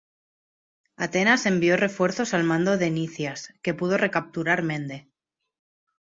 Atenas envió refuerzos al mando de Nicias, que pudo recapturar Mende.